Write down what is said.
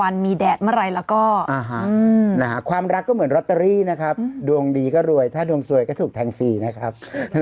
น่ะความรักก็เหมือนรอตเตอรี่นะครับดวงดีก็รวยถ้าดวงสวยก็ถูกแทง่ฟรีนะครับ